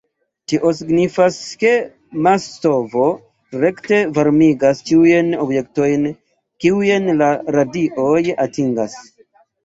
Tio signifas, ke mas-stovo rekte varmigas ĉiujn objektojn, kiujn la radioj atingas.